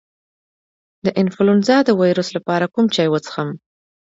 د انفلونزا د ویروس لپاره کوم چای وڅښم؟